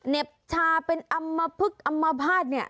เน็บท่าเป็นอัมมพึกอัมมพาทเนี่ย